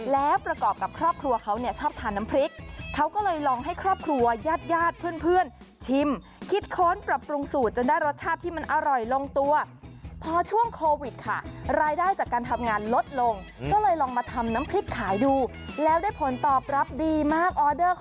แล้วประกอบกับครอบครัวเขาชอบทานน้ำพริก